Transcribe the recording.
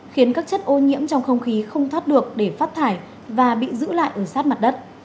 khiến các chất ô nhiễm trong không khí không thoát được để phát thải và bị giữ lại ở sát mặt đất